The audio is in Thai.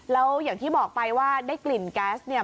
แล้วอย่างที่บอกไปว่าได้กลิ่นแก๊สเนี่ย